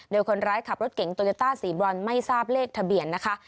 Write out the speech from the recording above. โดยคนร้ายขับรถเก๋งโตโยต้าสีบรอนไม่ทราบเลขทะเบียนนะคะ